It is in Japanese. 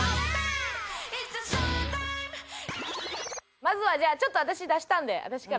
まずはじゃあちょっと私出したんで私から。